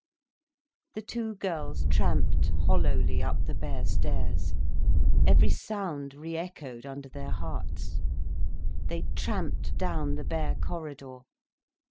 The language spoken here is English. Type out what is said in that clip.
The two girls tramped hollowly up the bare stairs. Every sound re echoed under their hearts. They tramped down the bare corridor.